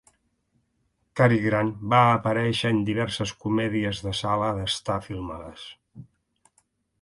Cary Grant va aparèixer en diverses comèdies de sala d'estar filmades.